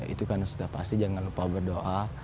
itu kan sudah pasti jangan lupa berdoa